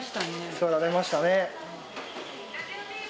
座られましたね。